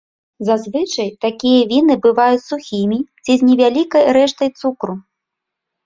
Зазвычай, такія віны бываюць сухімі ці з невялікай рэштай цукру.